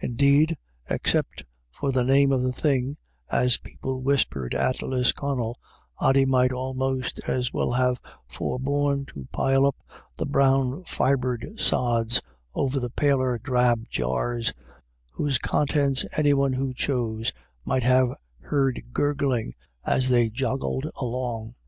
Indeed, except for the name of the thing, as people whispered at Lisconnel, Ody might almost as well have forborne to pile up the brown fibred sods over the paler drab jars, whose contents any one who chose might have heard gurgling as they were joggled along.